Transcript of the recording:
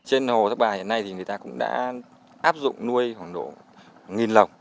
trên hồ thái bà hiện nay thì người ta cũng đã áp dụng nuôi khoảng độ nghìn lồng